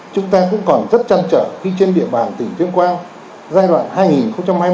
chúng ta cũng còn rất trăn trở khi trên địa bàn tỉnh tuyên quang giai đoạn hai nghìn hai mươi một hai nghìn hai mươi năm